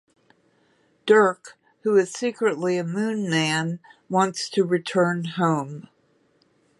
Dirk, who is secretly a Moon man, wants to return home.